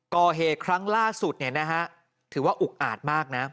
ก่อเหตุครั้งล่าสุดเนี่ยนะฮะถือว่าอุกอาจมากนะ